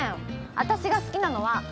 私が好きなのは。